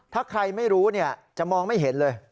ถ้าใครไม่รู้จะมองไม่เห็นเลย